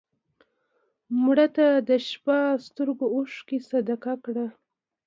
مړه ته د شپه سترګو اوښکې صدقه کړه